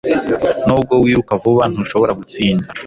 Nubwo wiruka vuba ntushobora gutsinda